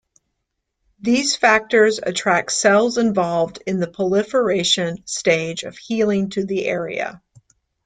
These factors attract cells involved in the proliferation stage of healing to the area.